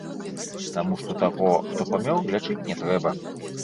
Таму што таго, хто памёр, лячыць не трэба.